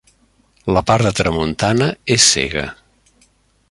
La part de tramuntana és cega.